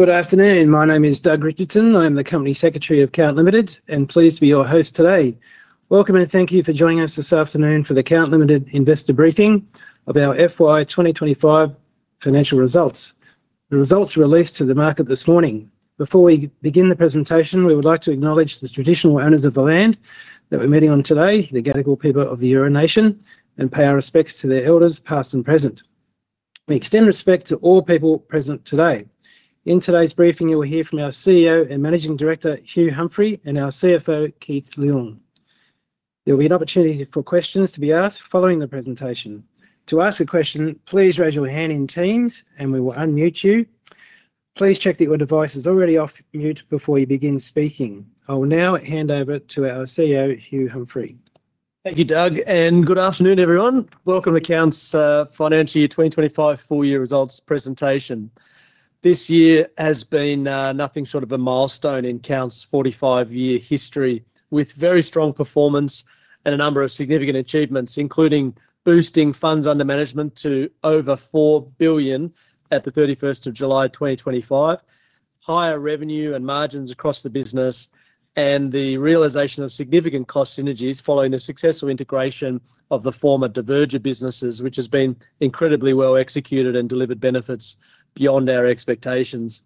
Good afternoon. My name is Doug Richardson. I am the Company Secretary of Count Limited and pleased to be your host today. Welcome and thank you for joining us this afternoon for the Count Limited Investor Briefing of Our FY 2025 Financial Results. The results were released to the market this morning. Before we begin the presentation, we would like to acknowledge the traditional owners of the land that we're meeting on today, the Gadigal people of the Eora Nation, and pay our respects to their elders, past and present. We extend respect to all people present today. In today's briefing, you will hear from our CEO and Managing Director, Hugh Humphrey, and our CFO, Keith Leung. There will be an opportunity for questions to be asked following the presentation. To ask a question, please raise your hand in Teams and we will unmute you. Please check that your device is already off mute before you begin speaking. I will now hand over to our CEO, Hugh Humphrey. Thank you, Doug, and good afternoon, everyone. Welcome to Count's Financial Year 2025 Full-year Results presentation. This year has been nothing short of a milestone in Count's 45-year history, with very strong performance and a number of significant achievements, including boosting funds under management to over $4 billion at the 31st of July 2025, higher revenue and margins across the business, and the realization of significant cost synergies following the successful integration of the former Diverger businesses, which has been incredibly well executed and delivered benefits beyond our expectations.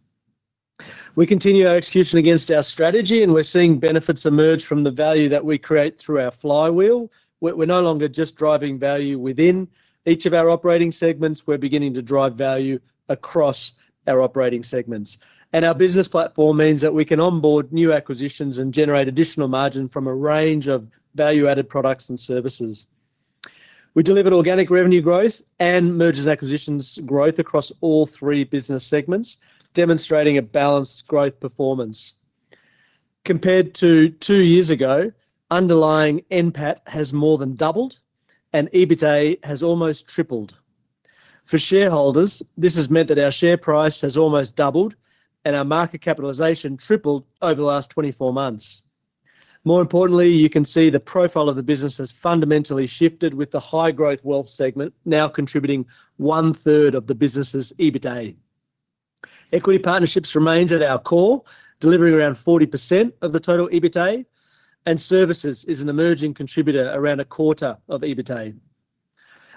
We continue our execution against our strategy, and we're seeing benefits emerge from the value that we create through our flywheel. We're no longer just driving value within each of our operating segments; we're beginning to drive value across our operating segments. Our business platform means that we can onboard new acquisitions and generate additional margin from a range of value-added products and services. We delivered organic revenue growth and M&A growth across all three business segments, demonstrating a balanced growth performance. Compared to two years ago, underlying NPAT has more than doubled, and EBITDA has almost tripled. For shareholders, this has meant that our share price has almost doubled, and our market capitalization tripled over the last 24 months. More importantly, you can see the profile of the business has fundamentally shifted with the high growth wealth segment now contributing 1/3 of the business's EBITDA. Equity partnerships remain at our core, delivering around 40% of the total EBITDA, and services is an emerging contributor, around a quarter of EBITDA.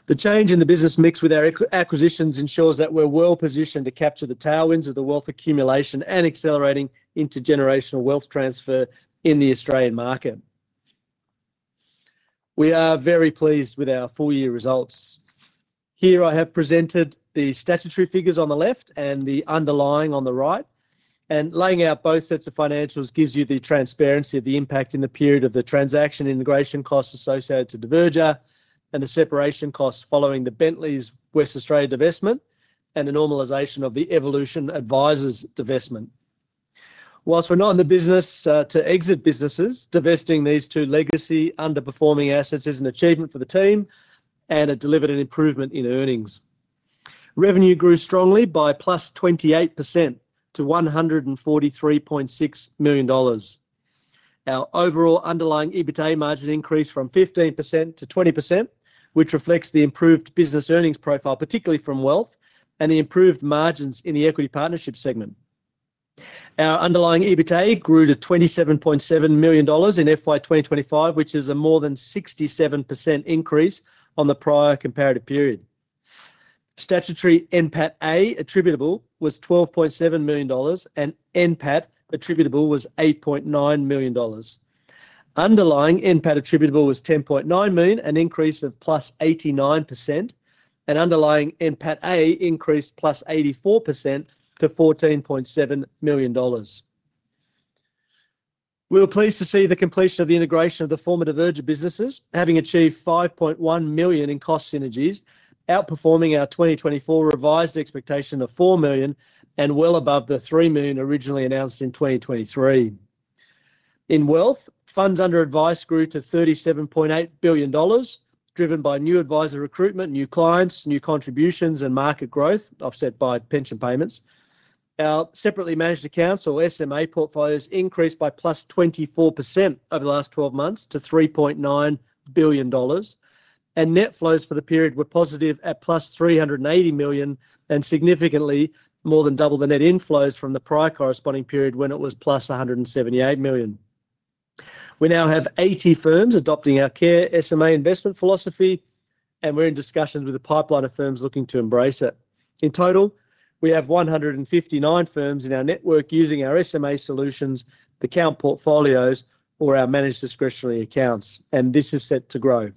The change in the business mix with our acquisitions ensures that we're well positioned to capture the tailwinds of the wealth accumulation and accelerating intergenerational wealth transfer in the Australian market. We are very pleased with our full-year results. Here I have presented the statutory figures on the left and the underlying on the right. Laying out both sets of financials gives you the transparency of the impact in the period of the transaction integration costs associated to Diverger and the separation costs following the Bentleys Western Australia divestment and the normalization of the Evolution Advisors divestment. Whilst we're not in the business to exit businesses, divesting these two legacy underperforming assets is an achievement for the team and delivered an improvement in earnings. Revenue grew strongly by +28% to $143.6 million. Our overall underlying EBITDA margin increased from 15% to 20%, which reflects the improved business earnings profile, particularly from wealth, and the improved margins in the equity partnership segment. Our underlying EBITDA grew to $27.7 million in FY 2025, which is a more than 67% increase on the prior comparative period. Statutory NPAT (A) attributable was $12.7 million, and NPAT attributable was $8.9 million. Underlying NPAT attributable was $10.9 million, an increase of +89%, and underlying NPAT (A) increased +84% to $14.7 million. We were pleased to see the completion of the integration of the former Diverger businesses, having achieved $5.1 million in cost synergies, outperforming our 2024 revised expectation of $4 million and well above the $3 million originally announced in 2023. In wealth, funds under advice grew to $37.8 billion, driven by new advisor recruitment, new clients, new contributions, and market growth offset by pension payments. Our separately managed accounts or SMA portfolios increased by +24% over the last 12 months to $3.9 billion, and net flows for the period were positive at +$380 million, and significantly more than double the net inflows from the prior corresponding period when it was +$178 million. We now have 80 firms adopting our CARE SMA investment philosophy, and we're in discussions with a pipeline of firms looking to embrace it. In total, we have 159 firms in our network using our SMA Solutions, the Count portfolios, or our managed discretionary accounts, and this is set to grow.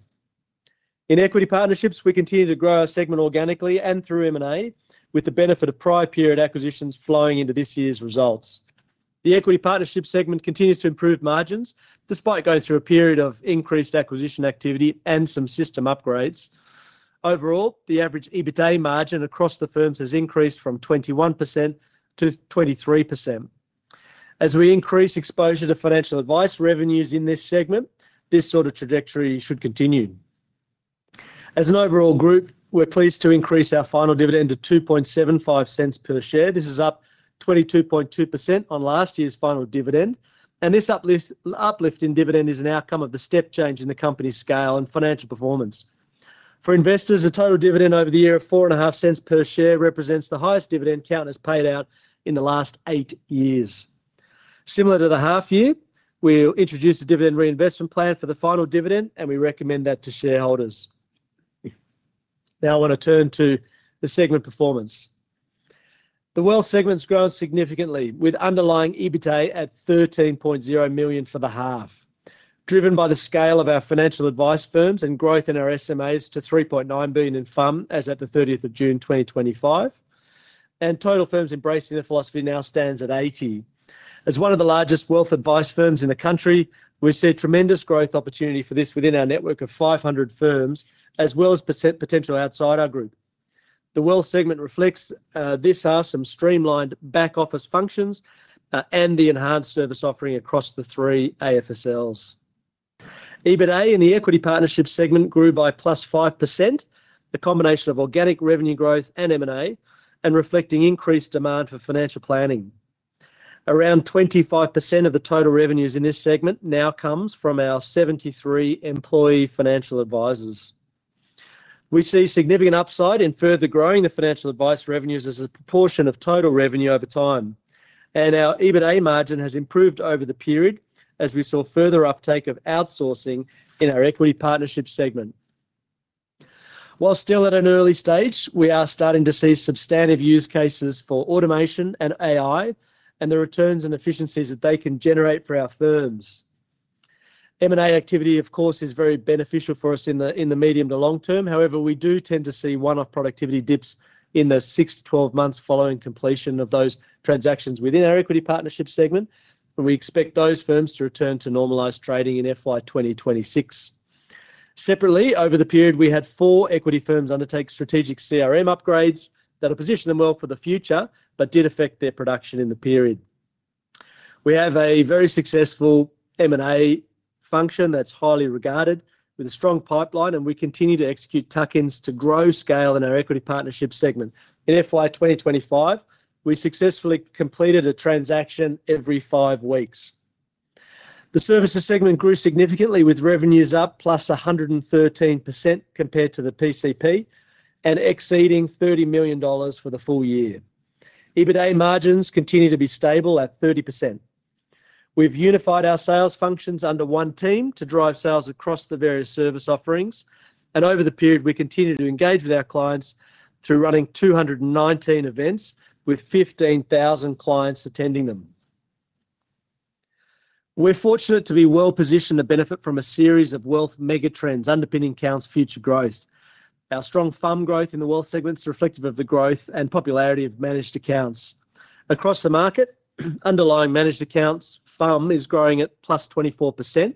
In equity partnerships, we continue to grow our segment organically and through M&A, with the benefit of prior period acquisitions flowing into this year's results. The equity partnership segment continues to improve margins despite going through a period of increased acquisition activity and some system upgrades. Overall, the average EBITDA margin across the firms has increased from 21% to 23%. As we increase exposure to financial advice revenues in this segment, this sort of trajectory should continue. As an overall group, we're pleased to increase our final dividend to $0.0275 per share. This is up 22.2% on last year's final dividend, and this uplift in dividend is an outcome of the step change in the company's scale and financial performance. For investors, a total dividend over the year of $0.045 per share represents the highest dividend Count has paid out in the last eight years. Similar to the half year, we'll introduce a dividend reinvestment plan for the final dividend, and we recommend that to shareholders. Now I want to turn to the segment performance. The wealth segment's grown significantly, with underlying EBITDA at $13.0 million for the half, driven by the scale of our financial advice firms and growth in our SMAs to $3.9 billion in funds as of 30th of June, 2025, and total firms embracing the philosophy now stands at 80. As one of the largest wealth advice firms in the country, we see a tremendous growth opportunity for this within our network of 500 firms, as well as potential outside our group. The wealth segment reflects this half some streamlined back office functions and the enhanced service offering across the three AFSLs. EBITDA in the equity partnership segment grew by +5%, the combination of organic revenue growth and M&A, and reflecting increased demand for financial planning. Around 25% of the total revenues in this segment now come from our 73 employee financial advisors. We see significant upside in further growing the financial advice revenues as a proportion of total revenue over time, and our EBITDA margin has improved over the period as we saw further uptake of outsourcing in our equity partnership segment. While still at an early stage, we are starting to see substantive use cases for automation and AI, and the returns and efficiencies that they can generate for our firms. M&A activity, of course, is very beneficial for us in the medium to long term. However, we do tend to see one-off productivity dips in the 6 to 12 months following completion of those transactions within our equity partnership segment, and we expect those firms to return to normalized trading in FY 2026. Separately, over the period, we had four equity firms undertake strategic CRM upgrades that have positioned them well for the future but did affect their production in the period. We have a very successful M&A function that's highly regarded with a strong pipeline, and we continue to execute tuck-ins to grow scale in our equity partnership segment. In FY 2025, we successfully completed a transaction every five weeks. The services segment grew significantly with revenues up +113% compared to the PCP and exceeding $30 million for the full year. EBITDA margins continue to be stable at 30%. We've unified our sales functions under one team to drive sales across the various service offerings, and over the period, we continue to engage with our clients through running 219 events with 15,000 clients attending them. We're fortunate to be well positioned to benefit from a series of wealth megatrends underpinning Count's future growth. Our strong FUM growth in the wealth segment is reflective of the growth and popularity of managed accounts. Across the market, underlying managed accounts FUM is growing at +24%,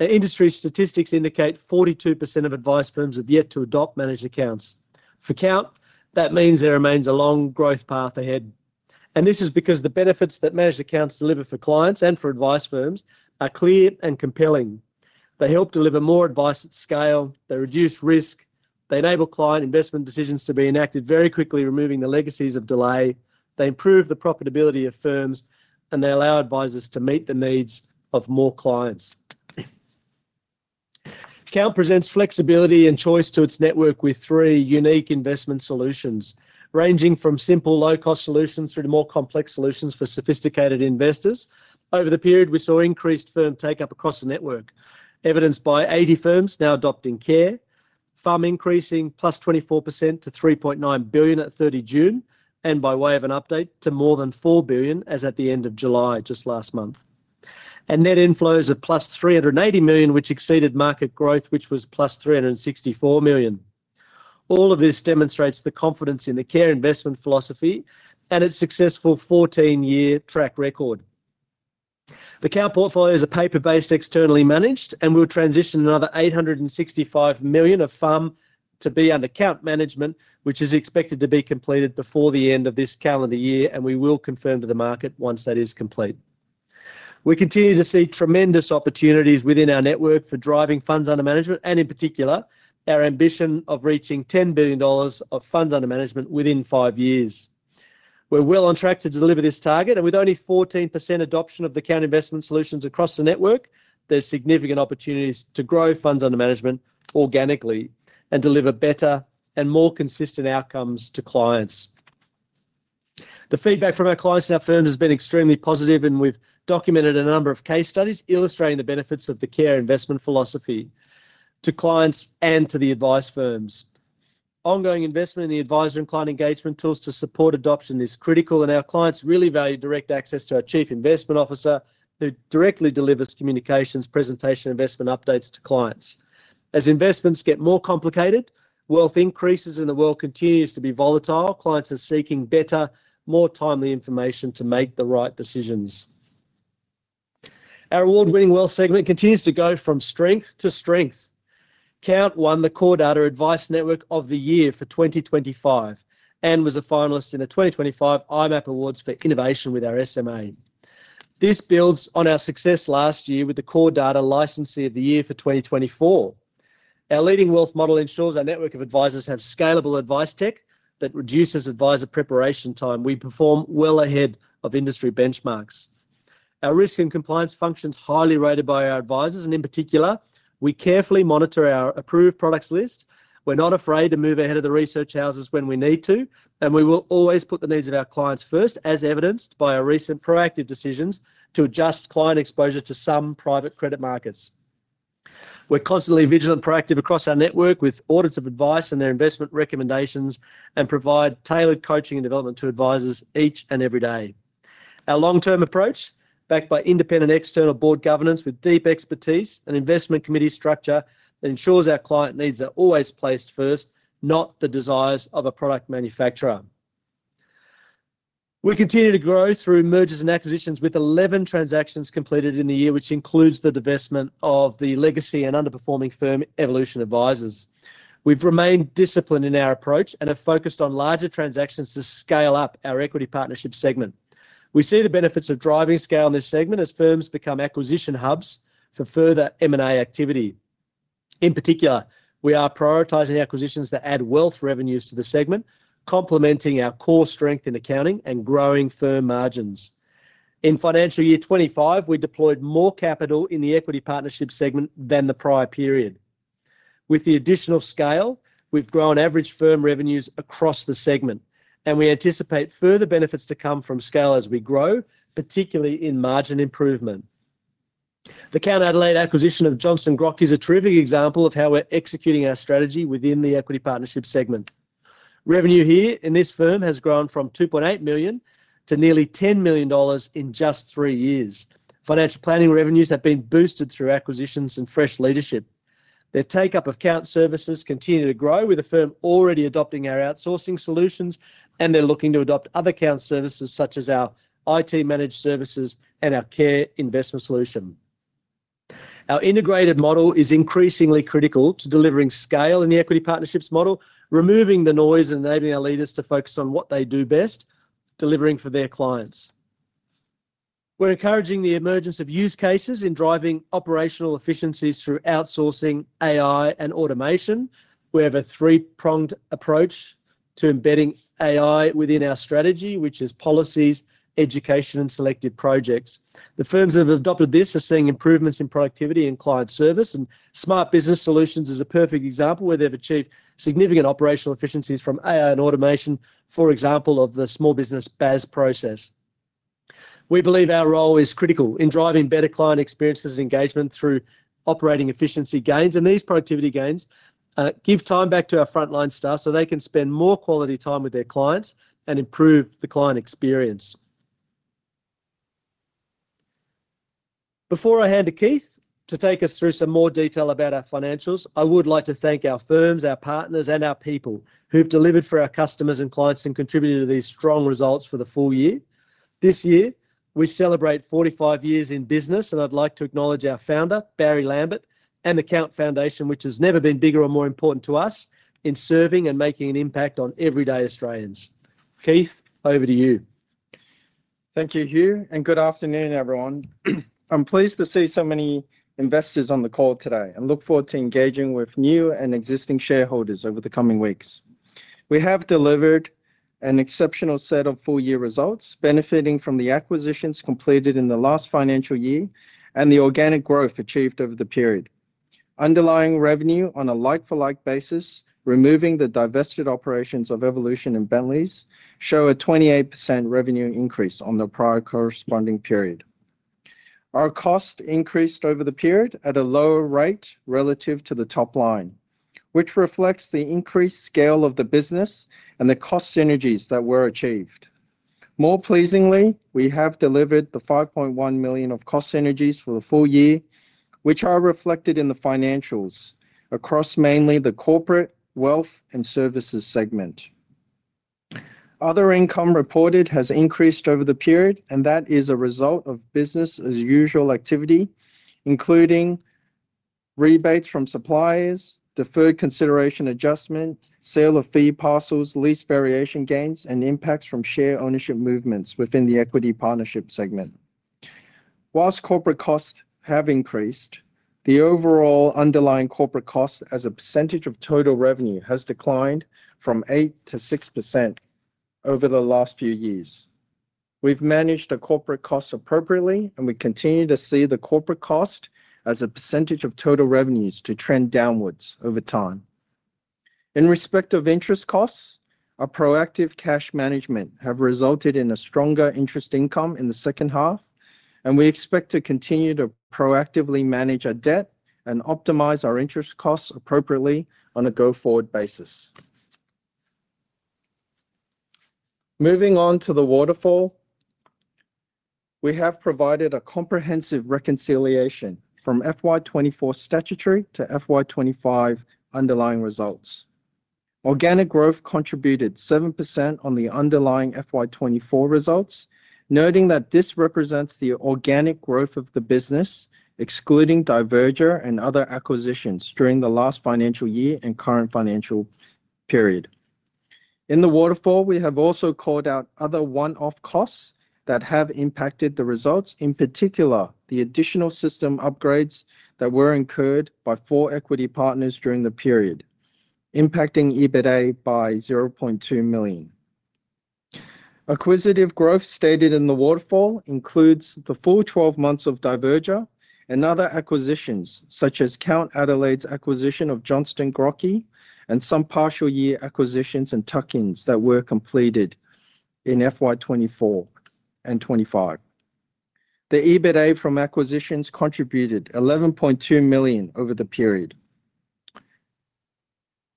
and industry statistics indicate 42% of advice firms have yet to adopt managed accounts. For Count, that means there remains a long growth path ahead, and this is because the benefits that managed accounts deliver for clients and for advice firms are clear and compelling. They help deliver more advice at scale, they reduce risk, they enable client investment decisions to be enacted very quickly, removing the legacies of delay, they improve the profitability of firms, and they allow advisors to meet the needs of more clients. Count presents flexibility and choice to its network with three unique investment solutions, ranging from simple low-cost solutions through to more complex solutions for sophisticated investors. Over the period, we saw increased firm take-up across the network, evidenced by 80 firms now adopting CARE, FUM increasing +24% to $3.9 billion at 30 June, and by way of an update, to more than $4 billion as at the end of July, just last month, and net inflows of +$380 million, which exceeded market growth, which was +$364 million. All of this demonstrates the confidence in the CARE investment philosophy and its successful 14-year track record. The Count portfolio is a paper-based, externally managed, and we'll transition another $865 million of FUM to be under Count management, which is expected to be completed before the end of this calendar year, and we will confirm to the market once that is complete. We continue to see tremendous opportunities within our network for driving funds under management, and in particular, our ambition of reaching $10 billion of funds under management within five years. We're well on track to deliver this target, and with only 14% adoption of the Count Investment Solutions across the network, there's significant opportunities to grow funds under management organically and deliver better and more consistent outcomes to clients. The feedback from our clients and our firms has been extremely positive, and we've documented a number of case studies illustrating the benefits of the CARE investment philosophy to clients and to the advice firms. Ongoing investment in the advisor and client engagement tools to support adoption is critical, and our clients really value direct access to our Chief Investment Officer, who directly delivers communications, presentation, and investment updates to clients. As investments get more complicated, wealth increases, and the world continues to be volatile, clients are seeking better, more timely information to make the right decisions. Our award-winning wealth segment continues to go from strength to strength. Count won the CoreData Advice Network of the Year for 2025 and was a finalist in the 2025 IMAP Awards for Innovation with our SMA. This builds on our success last year with the CoreData Licensee of the Year for 2024. Our leading wealth model ensures our network of advisors have scalable advice tech that reduces advisor preparation time. We perform well ahead of industry benchmarks. Our risk and compliance function is highly rated by our advisors, and in particular, we carefully monitor our approved products list. We're not afraid to move ahead of the research houses when we need to, and we will always put the needs of our clients first, as evidenced by our recent proactive decisions to adjust client exposure to some private credit markets. We're constantly vigilant and proactive across our network with audits of advice and their investment recommendations and provide tailored coaching and development to advisors each and every day. Our long-term approach, backed by independent external board governance with deep expertise and investment committee structure, ensures our client needs are always placed first, not the desires of a product manufacturer. We continue to grow through mergers and acquisitions, with 11 transactions completed in the year, which includes the divestment of the legacy and underperforming firm, Evolution Advisors. We've remained disciplined in our approach and have focused on larger transactions to scale up our equity partnership segment. We see the benefits of driving scale in this segment as firms become acquisition hubs for further M&A activity. In particular, we are prioritizing acquisitions that add wealth revenues to the segment, complementing our core strength in accounting and growing firm margins. In financial year 2025, we deployed more capital in the equity partnership segment than the prior period. With the additional scale, we've grown average firm revenues across the segment, and we anticipate further benefits to come from scale as we grow, particularly in margin improvement. The Count Adelaide acquisition of Johnston Grocke is a terrific example of how we're executing our strategy within the equity partnership segment. Revenue here in this firm has grown from $2.8 million to nearly $10 million in just three years. Financial planning revenues have been boosted through acquisitions and fresh leadership. Their take-up of Count services continues to grow, with the firm already adopting our outsourcing solutions, and they're looking to adopt other Count services such as our IT managed services and our CARE Investment Solution. Our integrated model is increasingly critical to delivering scale in the equity partnerships model, removing the noise and enabling our leaders to focus on what they do best, delivering for their clients. We're encouraging the emergence of use cases in driving operational efficiencies through outsourcing, AI, and automation. We have a three-pronged approach to embedding AI within our strategy, which is policies, education, and selected projects. The firms that have adopted this are seeing improvements in productivity and client service, and Smart Business Solutions is a perfect example where they've achieved significant operational efficiencies from AI and automation, for example, of the small business BAS process. We believe our role is critical in driving better client experiences and engagement through operating efficiency gains, and these productivity gains give time back to our frontline staff so they can spend more quality time with their clients and improve the client experience. Before I hand to Keith to take us through some more detail about our financials, I would like to thank our firms, our partners, and our people who've delivered for our customers and clients and contributed to these strong results for the full year. This year, we celebrate 45 years in business, and I'd like to acknowledge our founder, Barry Lambert, and the Count Foundation, which has never been bigger or more important to us in serving and making an impact on everyday Australians. Keith, over to you. Thank you, Hugh, and good afternoon, everyone. I'm pleased to see so many investors on the call today and look forward to engaging with new and existing shareholders over the coming weeks. We have delivered an exceptional set of full-year results, benefiting from the acquisitions completed in the last financial year and the organic growth achieved over the period. Underlying revenue on a like-for-like basis, removing the divested operations of Evolution and Bentleys, show a 28% revenue increase on the prior corresponding period. Our cost increased over the period at a lower rate relative to the top line, which reflects the increased scale of the business and the cost synergies that were achieved. More pleasingly, we have delivered the $5.1 million of cost synergies for the full year, which are reflected in the financials across mainly the corporate, wealth, and services segment. Other income reported has increased over the period, and that is a result of business as usual activity, including rebates from suppliers, deferred consideration adjustment, sale of fee parcels, lease variation gains, and impacts from share ownership movements within the equity partnership segment. Whilst corporate costs have increased, the overall underlying corporate cost as a percentage of total revenue has declined from 8% to 6% over the last few years. We've managed the corporate costs appropriately, and we continue to see the corporate cost as a percentage of total revenue to trend downwards over time. In respect of interest costs, our proactive cash management has resulted in a stronger interest income in the second half, and we expect to continue to proactively manage our debt and optimize our interest costs appropriately on a go-forward basis. Moving on to the waterfall, we have provided a comprehensive reconciliation from FY 2024 statutory to FY 2025 underlying results. Organic growth contributed 7% on the underlying FY 2024 results, noting that this represents the organic growth of the business, excluding Diverger and other acquisitions during the last financial year and current financial period. In the waterfall, we have also called out other one-off costs that have impacted the results, in particular the additional system upgrades that were incurred by four equity partners during the period, impacting EBITDA by $0.2 million. Acquisitive growth stated in the waterfall includes the full 12 months of Diverger and other acquisitions, such as Count Adelaide's acquisition of Johnston Grocke and some partial year acquisitions and tuck-ins that were completed in FY 2024 and 2025. The EBITDA from acquisitions contributed $11.2 million over the period.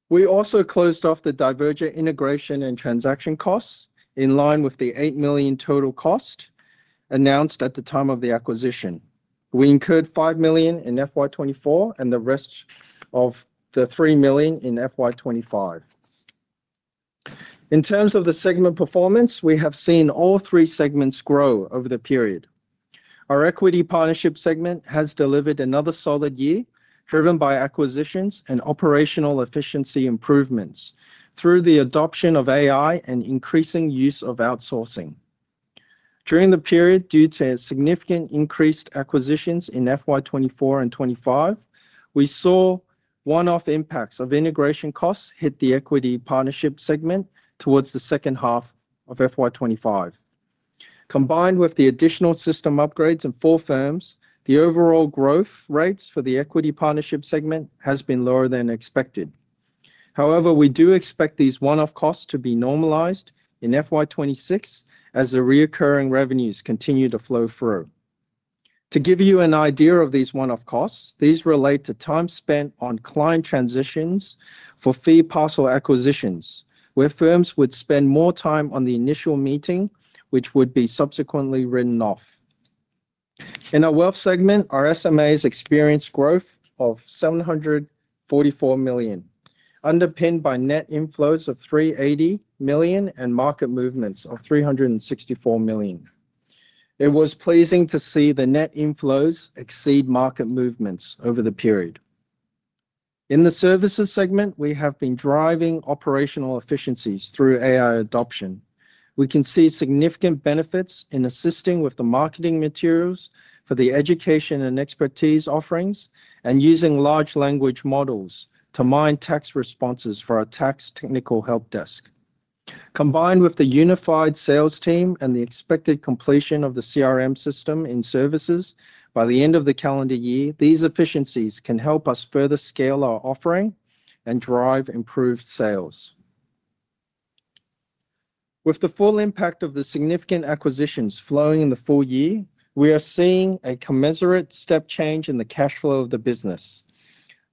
We also closed off the Diverger integration and transaction costs in line with the $8 million total cost announced at the time of the acquisition. We incurred $5 million in FY 2024 and the rest of the $3 million in FY 2025. In terms of the segment performance, we have seen all three segments grow over the period. Our equity partnership segment has delivered another solid year, driven by acquisitions and operational efficiency improvements through the adoption of AI and increasing use of outsourcing. During the period, due to significant increased acquisitions in FY 2024 and 2025, we saw one-off impacts of integration costs hit the equity partnership segment towards the second half of FY 2025. Combined with the additional system upgrades of four firms, the overall growth rates for the equity partnership segment have been lower than expected. However, we do expect these one-off costs to be normalized in FY 2026 as the reoccurring revenues continue to flow through. To give you an idea of these one-off costs, these relate to time spent on client transitions for fee parcel acquisitions, where firms would spend more time on the initial meeting, which would be subsequently written off. In our wealth segment, our SMAs experienced growth of $744 million, underpinned by net inflows of $380 million and market movements of $364 million. It was pleasing to see the net inflows exceed market movements over the period. In the services segment, we have been driving operational efficiencies through AI adoption. We can see significant benefits in assisting with the marketing materials for the education and expertise offerings and using large language models to mine tax responses for our tax technical help desk. Combined with the unified sales team and the expected completion of the CRM system in services by the end of the calendar year, these efficiencies can help us further scale our offering and drive improved sales. With the full impact of the significant acquisitions flowing in the full year, we are seeing a commensurate step change in the cash flow of the business,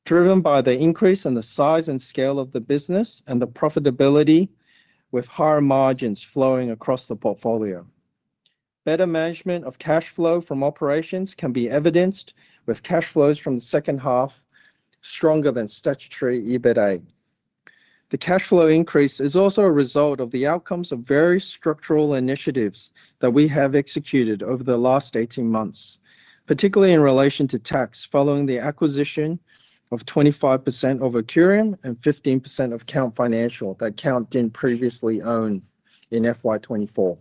driven by the increase in the size and scale of the business and the profitability, with higher margins flowing across the portfolio. Better management of cash flow from operations can be evidenced with cash flows from the second half stronger than statutory EBITDA. The cash flow increase is also a result of the outcomes of various structural initiatives that we have executed over the last 18 months, particularly in relation to tax following the acquisition of 25% of Occurum and 15% of Count Financial that Count didn't previously own in FY 2024.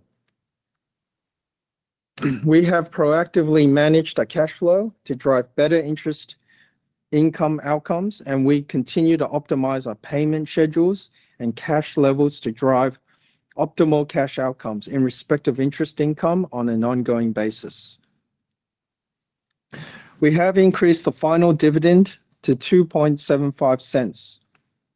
We have proactively managed our cash flow to drive better interest income outcomes, and we continue to optimize our payment schedules and cash levels to drive optimal cash outcomes in respect of interest income on an ongoing basis. We have increased the final dividend to $0.0275,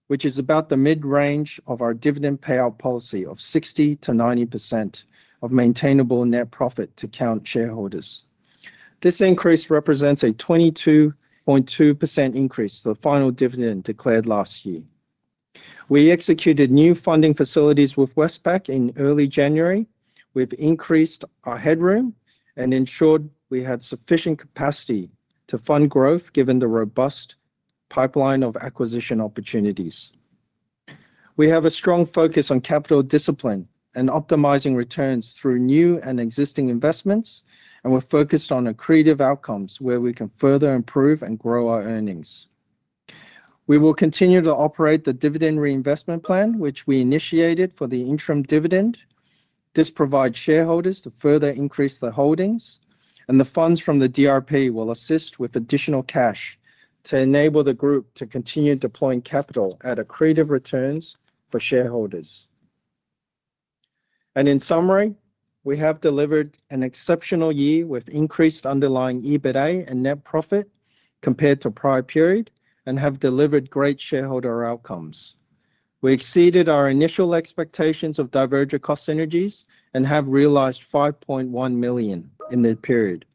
which is about the mid-range of our dividend payout policy of 60%-90% of maintainable net profit to Count shareholders. This increase represents a 22.2% increase to the final dividend declared last year. We executed new funding facilities with Westpac in early January, which increased our headroom and ensured we had sufficient capacity to fund growth given the robust pipeline of acquisition opportunities. We have a strong focus on capital discipline and optimizing returns through new and existing investments, and we're focused on accretive outcomes where we can further improve and grow our earnings. We will continue to operate the dividend reinvestment plan, which we initiated for the interim dividend. This provides shareholders to further increase their holdings, and the funds from the DRP will assist with additional cash to enable the group to continue deploying capital at accretive returns for shareholders. In summary, we have delivered an exceptional year with increased underlying EBITDA and net profit compared to prior period and have delivered great shareholder outcomes. We exceeded our initial expectations of Diverger cost synergies and have realized $5.1 million in the period.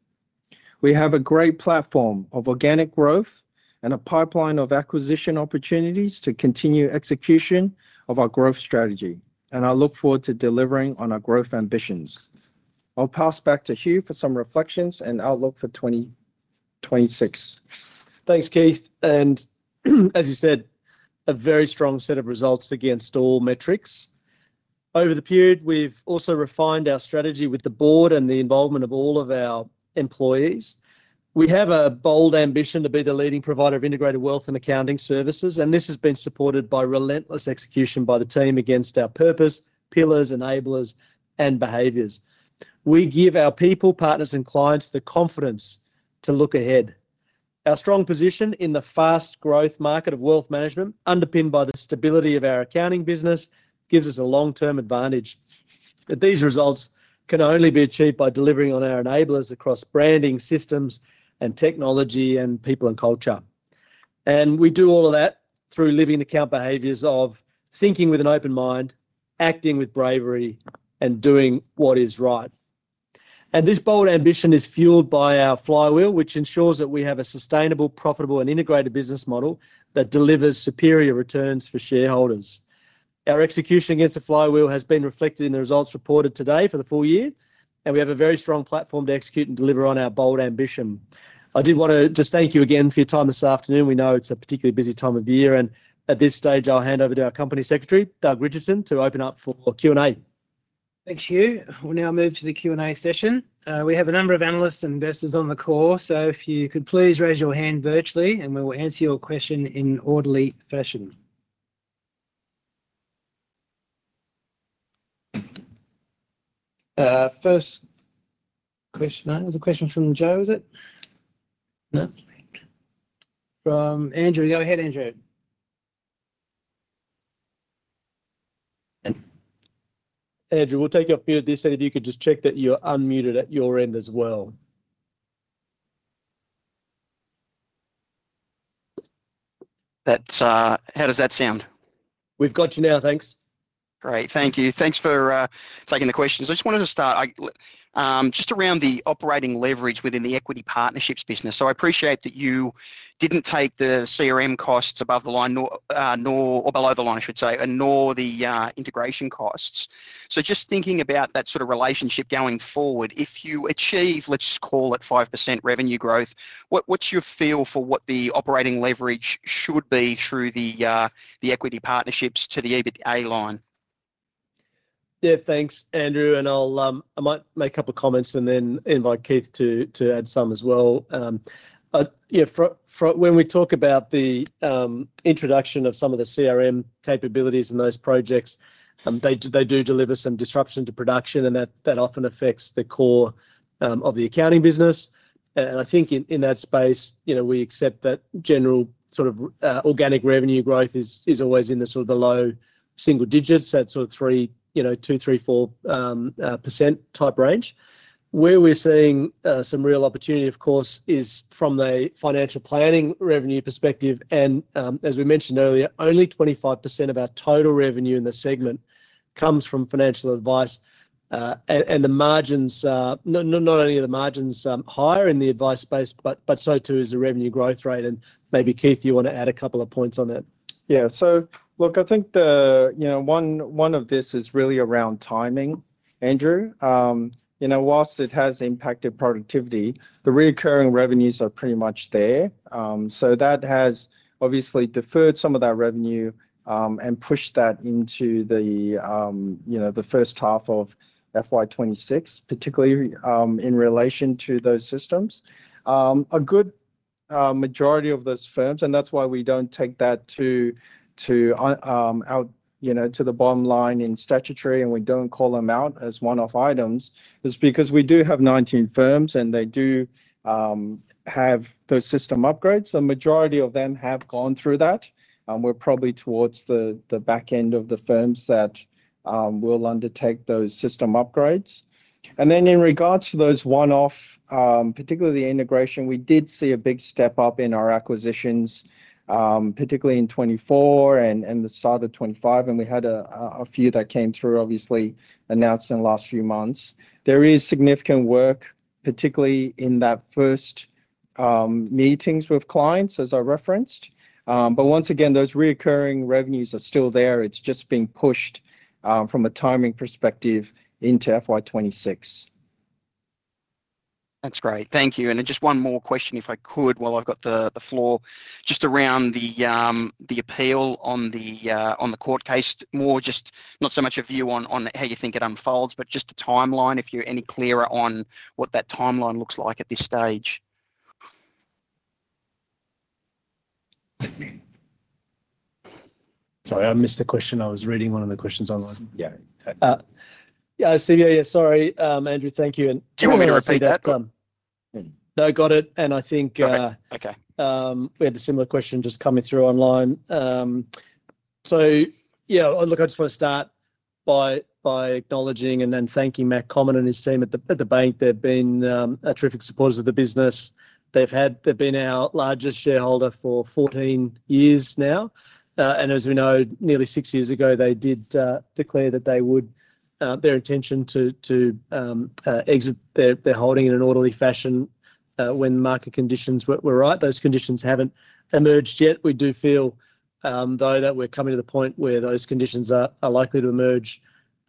We have a great platform of organic growth and a pipeline of acquisition opportunities to continue execution of our growth strategy, and I look forward to delivering on our growth ambitions. I'll pass back to Hugh for some reflections and outlook for 2026. Thanks, Keith. As you said, a very strong set of results against all metrics. Over the period, we've also refined our strategy with the board and the involvement of all of our employees. We have a bold ambition to be the leading provider of integrated wealth and accounting services, and this has been supported by relentless execution by the team against our purpose, pillars, enablers, and behaviors. We give our people, partners, and clients the confidence to look ahead. Our strong position in the fast-growth market of wealth management, underpinned by the stability of our accounting business, gives us a long-term advantage. These results can only be achieved by delivering on our enablers across branding, systems and technology, and people and culture. We do all of that through living the Count behaviors of thinking with an open mind, acting with bravery, and doing what is right. This bold ambition is fueled by our flywheel, which ensures that we have a sustainable, profitable, and integrated business model that delivers superior returns for shareholders. Our execution against the flywheel has been reflected in the results reported today for the full year, and we have a very strong platform to execute and deliver on our bold ambition. I did want to just thank you again for your time this afternoon. We know it's a particularly busy time of year, and at this stage, I'll hand over to our Company Secretary, Doug Richardson, to open up for Q&A. Thanks, Hugh. We'll now move to the Q&A session. We have a number of analysts and investors on the call, so if you could please raise your hand virtually, we will answer your question in an orderly fashion. First question, I think it was a question from Joe, was it? No, from Andrew. Go ahead, Andrew. Andrew, we'll take your fear of this interview. You could just check that you're unmuted at your end as well. How does that sound? We've got you now, thanks. Great, thank you. Thanks for taking the questions. I just wanted to start just around the operating leverage within the equity partnerships business. I appreciate that you didn't take the CRM costs above the line, nor below the line, I should say, and nor the integration costs. Just thinking about that sort of relationship going forward, if you achieve, let's just call it 5% revenue growth, what's your feel for what the operating leverage should be through the equity partnerships to the EBITDA line? Yeah, thanks, Andrew. I might make a couple of comments and then invite Keith to add some as well. When we talk about the introduction of some of the CRM capabilities in those projects, they do deliver some disruption to production, and that often affects the core of the accounting business. I think in that space, we accept that general sort of organic revenue growth is always in the sort of the low single digits, that sort of 3%, you know, 2%, 3%, 4% type range. Where we're seeing some real opportunity, of course, is from the financial planning revenue perspective. As we mentioned earlier, only 25% of our total revenue in the segment comes from financial advice, and not only are the margins higher in the advice space, but so too is the revenue growth rate. Maybe Keith, you want to add a couple of points on that. Yeah, so look, I think one of this is really around timing, Andrew. You know, whilst it has impacted productivity, the reoccurring revenues are pretty much there. That has obviously deferred some of that revenue and pushed that into the first half of FY 2026, particularly in relation to those systems. A good majority of those firms, and that's why we don't take that to the bottom line in statutory, and we don't call them out as one-off items, is because we do have 19 firms, and they do have those system upgrades. So a majority of them have gone through that. We're probably towards the back end of the firms that will undertake those system upgrades. In regards to those one-off, particularly the integration, we did see a big step up in our acquisitions, particularly in 2024 and the start of 2025, and we had a few that came through, obviously announced in the last few months. There is significant work, particularly in that first, meetings with clients, as I referenced. Once again, those reoccurring revenues are still there. It's just being pushed, from a timing perspective, into FY 2026. That's great. Thank you. Just one more question, if I could, while I've got the floor, just around the appeal on the court case, more just not so much a view on how you think it unfolds, but just a timeline, if you're any clearer on what that timeline looks like at this stage. Sorry, I missed the question. I was reading one of the questions online. Yeah, I see. Yeah, yeah, sorry, Andrew. Thank you. Do you want me to repeat that? No, got it. I think. Okay. We had a similar question just coming through online. I just want to start by acknowledging and then thanking Matt Comyn and his team at the bank. They've been a terrific supporter of the business. They've been our largest shareholder for 14 years now. As we know, nearly six years ago, they did declare their intention to exit their holding in an orderly fashion when the market conditions were right. Those conditions haven't emerged yet. We do feel, though, that we're coming to the point where those conditions are likely to emerge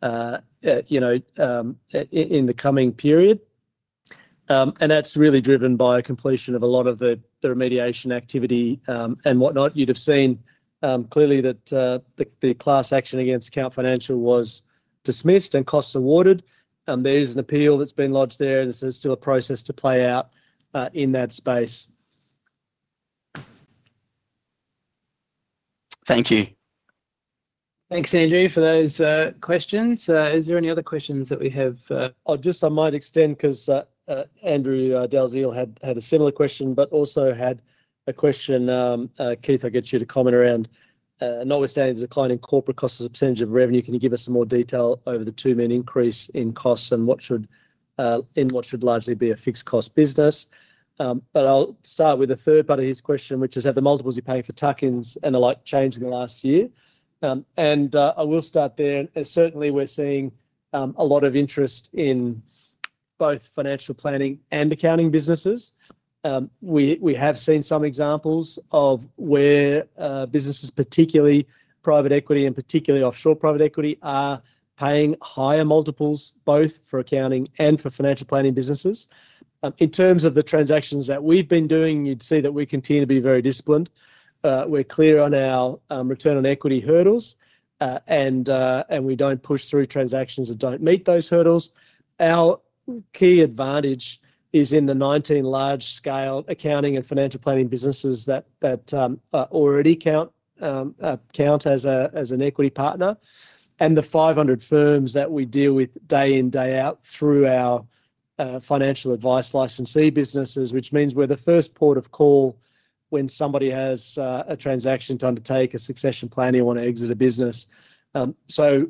in the coming period. That's really driven by a completion of a lot of the remediation activity and whatnot. You'd have seen clearly that the class action against Count Financial was dismissed and costs awarded. There is an appeal that's been lodged there, and this is still a process to play out in that space. Thank you. Thanks, Andrew, for those questions. Is there any other questions that we have? I might extend because Andrew Dalziel had a similar question, but also had a question. Keith, I get you to comment around, notwithstanding the decline in corporate costs as a percent of revenue, can you give us some more detail over the two-man increase in costs and what should largely be a fixed cost business? I'll start with a third part of his question, which is, have the multiples you're paying for tuck-ins and the like changed in the last year? I will start there. Certainly, we're seeing a lot of interest in both financial planning and accounting businesses. We have seen some examples of where businesses, particularly private equity and particularly offshore private equity, are paying higher multiples, both for accounting and for financial planning businesses. In terms of the transactions that we've been doing, you'd see that we continue to be very disciplined. We're clear on our return on equity hurdles, and we don't push through transactions that don't meet those hurdles. Our key advantage is in the 19 large-scale accounting and financial planning businesses that already count as an equity partner, and the 500 firms that we deal with day in, day out through our financial advice licensee businesses, which means we're the first port of call when somebody has a transaction to undertake a succession planning or want to exit a business.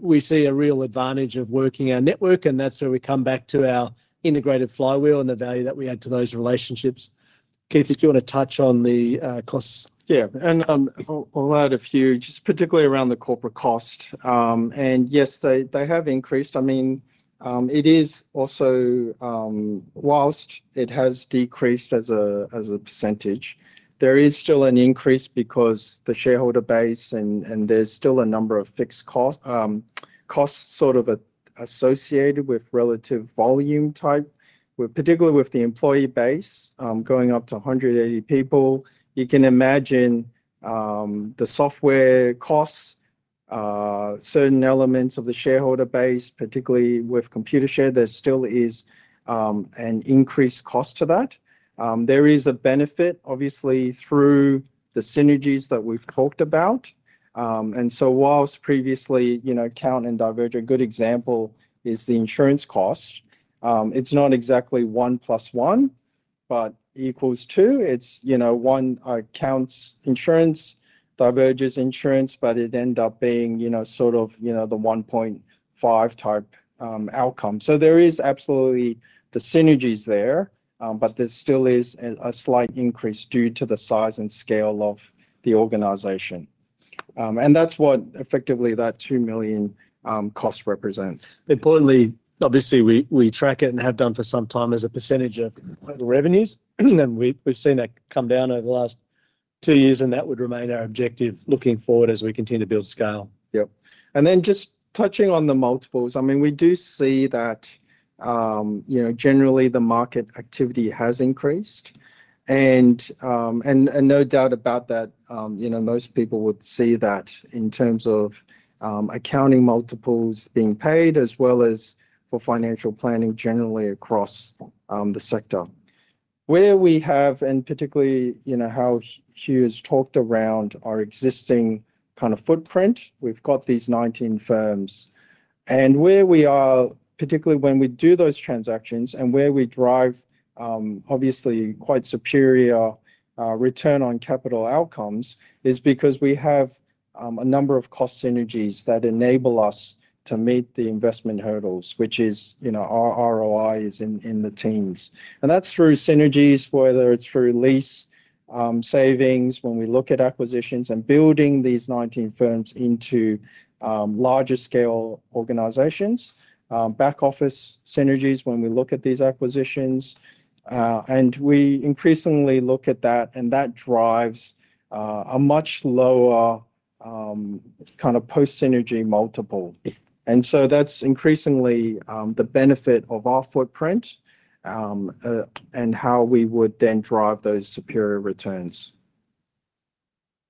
We see a real advantage of working our network, and that's where we come back to our integrated flywheel and the value that we add to those relationships. Keith, did you want to touch on the costs? Yeah, I'll add a few, just particularly around the corporate cost. Yes, they have increased. I mean, it is also, whilst it has decreased as a percentage, there is still an increase because the shareholder base, and there's still a number of fixed costs, costs sort of associated with relative volume type, particularly with the employee base going up to 180 people. You can imagine the software costs, certain elements of the shareholder base, particularly with Computershare, there still is an increased cost to that. There is a benefit, obviously, through the synergies that we've talked about. Whilst previously, you know, Count and Diverger, a good example is the insurance cost. It's not exactly 1 + 1 = 2. It's, you know, one account's insurance, Diverger's insurance, but it ends up being, you know, sort of, you know, the 1.5 type outcome. There is absolutely the synergies there, but there still is a slight increase due to the size and scale of the organization. That's what effectively that $2 million cost represents. Importantly, obviously, we track it and have done for some time as a percentage of total revenue, and we've seen that come down over the last two years, and that would remain our objective looking forward as we continue to build scale. Yep. Just touching on the multiples, we do see that generally the market activity has increased, and no doubt about that, most people would see that in terms of accounting multiples being paid as well as for financial planning generally across the sector. Where we have, and particularly how Hugh has talked around our existing kind of footprint, we've got these 19 firms, and where we are, particularly when we do those transactions and where we drive obviously quite superior return on capital outcomes is because we have a number of cost synergies that enable us to meet the investment hurdles, which is, you know, our ROI is in the teens. That's through synergies, whether it's through lease savings when we look at acquisitions and building these 19 firms into larger scale organizations, back office synergies when we look at these acquisitions, and we increasingly look at that, and that drives a much lower kind of post-synergy multiple. That's increasingly the benefit of our footprint, and how we would then drive those superior returns.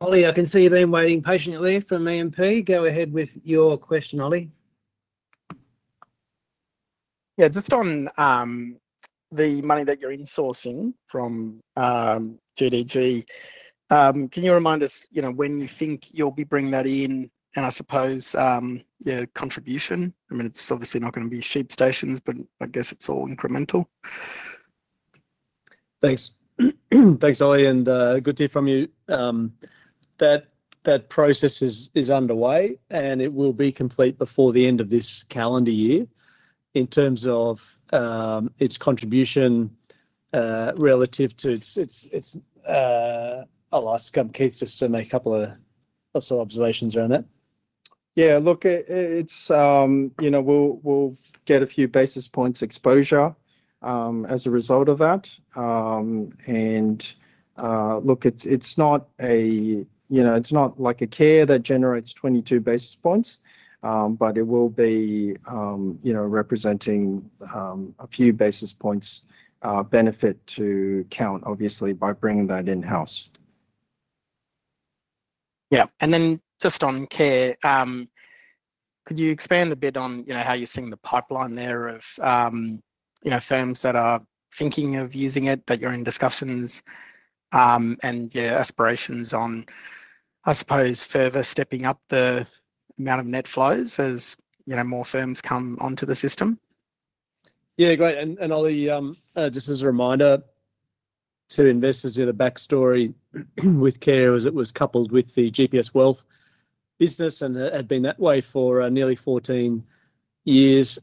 Ollie, I can see you've been waiting patiently from EMP. Go ahead with your question, Ollie. Yeah, just on the money that you're insourcing from GDG, can you remind us when you think you'll be bringing that in? I suppose your contribution, I mean, it's obviously not going to be sheep stations, but I guess it's all incremental. Thanks, Ollie, and a good tip from you. That process is underway, and it will be complete before the end of this calendar year in terms of its contribution, relative to its, I'll ask Keith just to make a couple of sort of observations around that. Yeah, look, we'll get a few basis points exposure as a result of that. It's not like a CARE that generates 22 basis points, but it will be representing a few basis points benefit to Count, obviously, by bringing that in-house. Yeah, and just on CARE, could you expand a bit on how you're seeing the pipeline there of firms that are thinking of using it, that you're in discussions with, and your aspirations on, I suppose, further stepping up the amount of net flows as more firms come onto the system? Yeah, great. Ollie, just as a reminder to investors, the backstory with CARE was it was coupled with the GPS Wealth business and had been that way for nearly 14 years.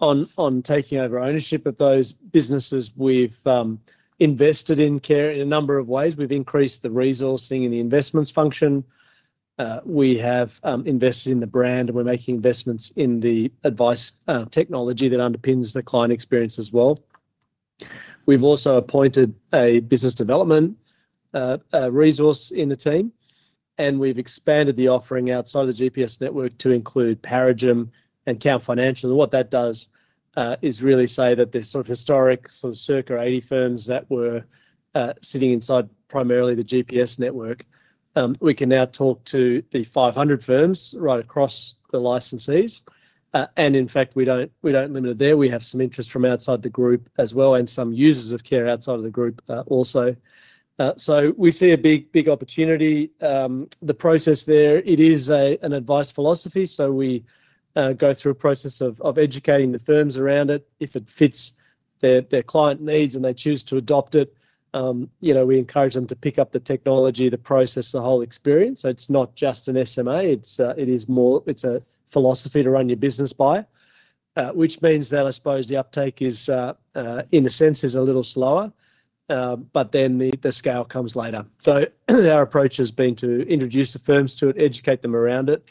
On taking over ownership of those businesses, we've invested in CARE in a number of ways. We've increased the resourcing and the investments function. We have invested in the brand, and we're making investments in the advice technology that underpins the client experience as well. We've also appointed a business development resource in the team, and we've expanded the offering outside of the GPS network to include Paradigm and Count Financial. What that does is really say that this sort of historic sort of circa 80 firms that were sitting inside primarily the GPS network, we can now talk to the 500 firms right across the licensees. In fact, we don't limit it there. We have some interest from outside the group as well and some users of CARE outside of the group also. We see a big, big opportunity. The process there, it is an advice philosophy. We go through a process of educating the firms around it. If it fits their client needs and they choose to adopt it, we encourage them to pick up the technology, the process, the whole experience. It's not just an SMA. It's a philosophy to run your business by, which means that I suppose the uptake is, in a sense, a little slower, but then the scale comes later. Our approach has been to introduce the firms to it, educate them around it,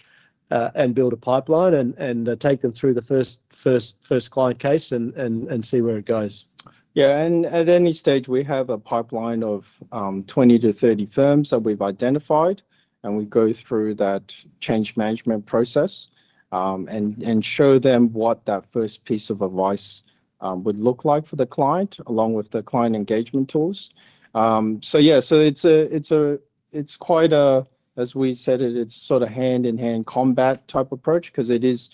and build a pipeline and take them through the first client case and see where it goes. At any stage, we have a pipeline of 20 to 30 firms that we've identified, and we go through that change management process and show them what that first piece of advice would look like for the client along with the client engagement tools. It's quite a, as we said, it's sort of hand-in-hand combat type approach because it is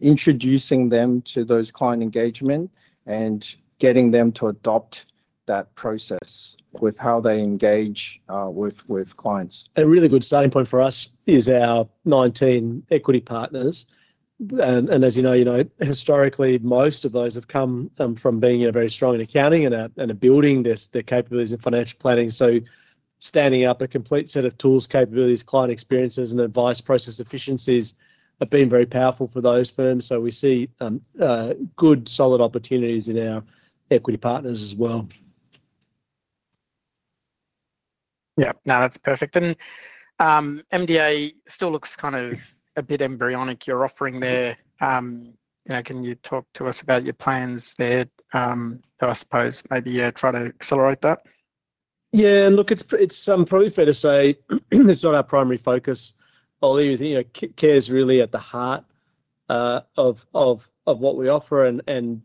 introducing them to those client engagement and getting them to adopt that process with how they engage with clients. A really good starting point for us is our 19 equity partners. As you know, historically, most of those have come from being very strong in accounting and are building their capabilities in financial planning. Standing up a complete set of tools, capabilities, client experiences, and advice process efficiencies have been very powerful for those firms. We see good, solid opportunities in our equity partners as well. Yeah, no, that's perfect. MDA still looks kind of a bit embryonic, your offering there. Can you talk to us about your plans there, I suppose, maybe try to accelerate that? Yeah, look, it's probably fair to say it's not our primary focus. Ollie, you know, CARE is really at the heart of what we offer.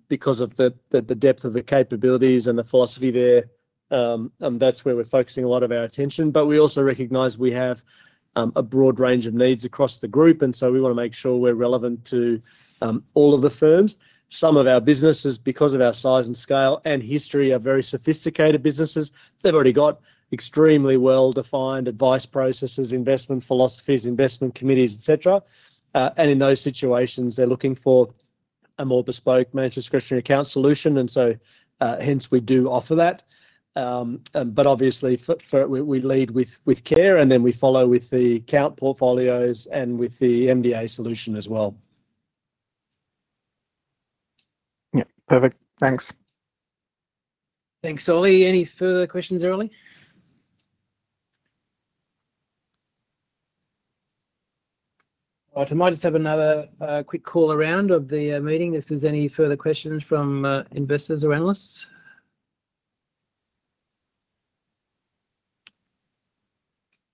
Because of the depth of the capabilities and the philosophy there, that's where we're focusing a lot of our attention. We also recognize we have a broad range of needs across the group, and we want to make sure we're relevant to all of the firms. Some of our businesses, because of our size and scale and history, are very sophisticated businesses. They've already got extremely well-defined advice processes, investment philosophies, investment committees, etc. In those situations, they're looking for a more bespoke managed discretionary account solution, and hence we do offer that. Obviously, we lead with CARE and then we follow with the account portfolios and with the MDA Solution as well. Yeah, perfect. Thanks. Thanks, Ollie. Any further questions early? All right, I might just have another quick call around of the meeting if there's any further questions from investors or analysts.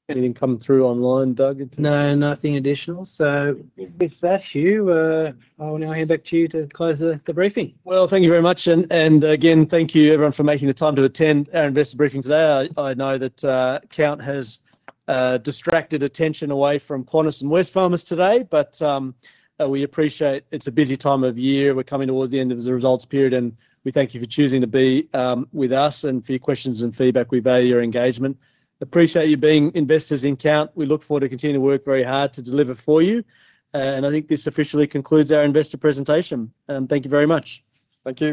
Anything come through online, Doug? No, nothing additional. With that, Hugh, I will now hand back to you to close the briefing. Thank you very much. Thank you everyone for making the time to attend our investor briefing today. I know that Count has distracted attention away from Coles and Wesfarmers today, but we appreciate it's a busy time of year. We're coming towards the end of the results period, and we thank you for choosing to be with us and for your questions and feedback. We value your engagement. Appreciate you being investors in Count. We look forward to continuing to work very hard to deliver for you. I think this officially concludes our investor presentation. Thank you very much. Thank you.